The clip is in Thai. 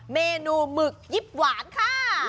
เมนูหมึกยิบหวานค่ะ